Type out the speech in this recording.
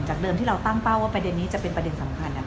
เดิมที่เราตั้งเป้าว่าประเด็นนี้จะเป็นประเด็นสำคัญ